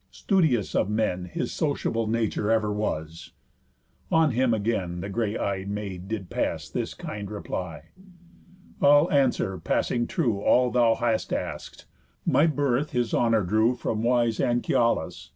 Studious of men His sociable nature ever was." On him again the grey eyed Maid did pass This kind reply: "I'll answer passing true All thou hast ask'd: My birth his honour drew From wise Anchialus.